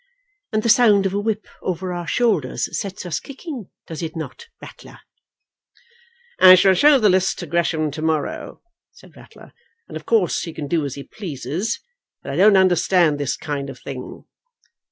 "And the sound of a whip over our shoulders sets us kicking; does it not, Ratler?" "I shall show the list to Gresham to morrow," said Ratler, "and of course he can do as he pleases; but I don't understand this kind of thing."